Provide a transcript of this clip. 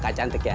kakak cantik ya